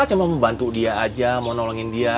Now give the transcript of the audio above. cuma membantu dia aja mau nolongin dia